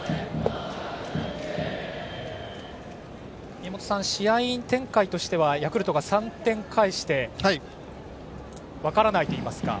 宮本さん、試合展開としてはヤクルトが３点返して分からないといいますか。